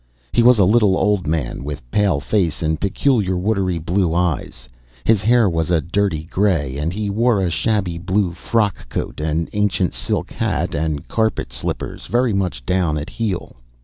He was a little old man, with pale face and peculiar watery blue eyes; his hair was a dirty grey, and he wore a shabby blue frock coat, an ancient silk hat, and carpet slippers very much down at heel.